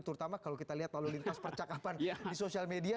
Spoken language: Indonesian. terutama kalau kita lihat lalu lintas percakapan di sosial media